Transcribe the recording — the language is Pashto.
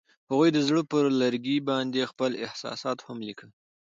هغوی د زړه پر لرګي باندې خپل احساسات هم لیکل.